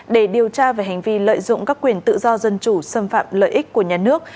để điều tra về hành vi lợi dụng các quyền tự do dân chủ xâm phạm lợi ích của nhà nước